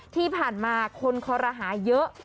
ที่ผ่านมาคนคอรหาเยอะ